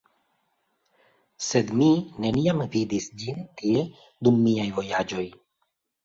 Sed mi neniam vidis ĝin tie dum miaj vojaĝoj.